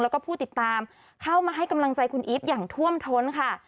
แล้วก็ผู้ติดตามเข้ามาให้กำลังใจคุณอีฟอย่างท่วมท้นค่ะ